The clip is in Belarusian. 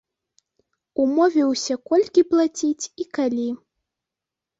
Умовіўся колькі плаціць і калі.